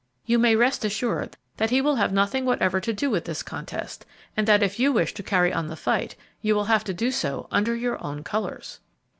You may rest assured that he will have nothing whatever to do with this contest, and that if you wish to carry on the fight, you will have to do so under your own colors."